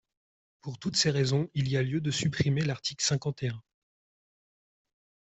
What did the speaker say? Pour toutes ces raisons, il y a lieu de supprimer l’article cinquante et un.